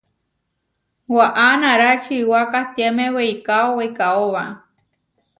Waʼa nará čiwá katiáme weikáo weikáoba.